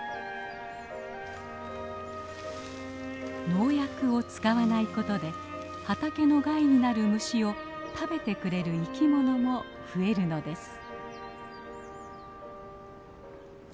農薬を使わないことで畑の害になる虫を食べてくれる生きものも増えるのです。